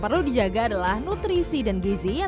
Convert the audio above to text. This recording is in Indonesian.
jadi dihipukan lapisan spesialis indonesia